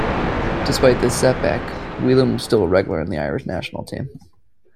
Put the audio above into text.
Despite this setback, Whelan was still a regular in the Irish national team.